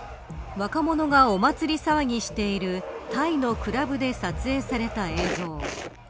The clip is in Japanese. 若者がお祭り騒ぎしているタイのクラブで撮影された映像。